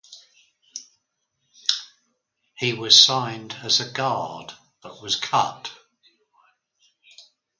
He was signed as a guard but was cut.